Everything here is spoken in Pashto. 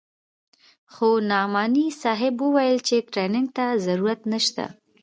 خو نعماني صاحب وويل چې ټرېننگ ته ضرورت نسته.